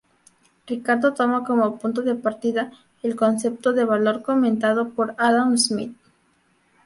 Ricardo toma como punto de partida el concepto de valor comentado por Adam Smith.